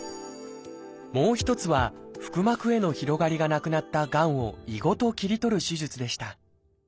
もう一つは腹膜への広がりがなくなったがんを胃ごと切り取る手術でした。